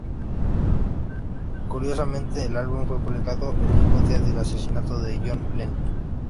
Curiosamente el álbum fue publicado el mismo día del asesinato de John Lennon.